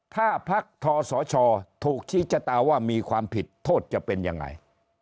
ถ้าพักทศชถูกชี้ชะตาว่ามีความผิดโทษจะเป็นยังไง